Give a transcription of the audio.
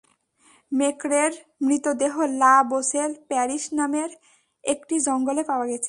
মেক্রের মৃতদেহ La Boche parish নামের একটি জঙ্গলে পাওয়া গেছে।